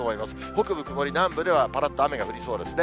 北部、曇り、南部ではぱらっと雨が降りそうですね。